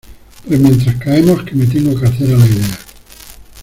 pues mientras caemos, que me tengo que hacer a la idea